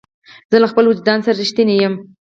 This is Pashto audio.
زه له خپل وجدان سره رښتینی یم.